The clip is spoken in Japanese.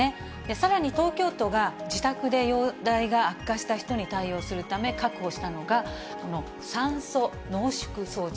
さらに、東京都が自宅で容体が悪化した人に対応するため確保したのが、この酸素濃縮装置。